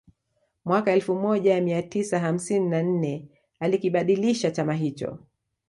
Mwaka elfu moja mia tisa hamsini na nne alikibadilisha chama hicho